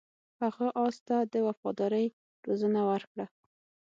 هغه اس ته د وفادارۍ روزنه ورکړه.